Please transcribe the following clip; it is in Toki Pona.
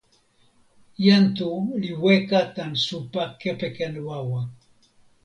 jan Tu li weka tan supa kepeken wawa.